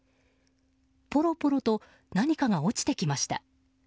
ぽろぽろと何かが落ちてきました。